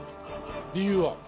理由は？